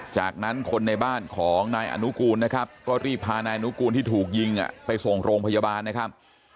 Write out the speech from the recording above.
จากนั้นคนในบ้านของนายอนุกูลนะครับก็รีบพานายอนุกูลที่ถูกยิงไปส่งโรงพยาบาลนะครับ